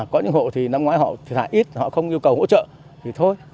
có những hộ thì năm ngoái họ thải ít họ không yêu cầu hỗ trợ thì thôi